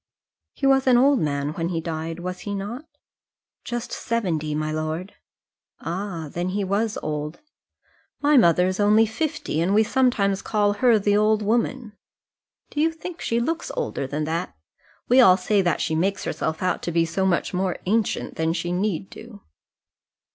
"He was an old man when he died, was he not?" "Just seventy, my lord." "Ah, then he was old. My mother is only fifty, and we sometimes call her the old woman. Do you think she looks older than that? We all say that she makes herself out to be so much more ancient than she need do."